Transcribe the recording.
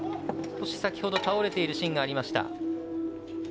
先ほど倒れているシーンがありました。